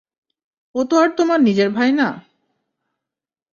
ও তো আর তোমার নিজের ভাই না।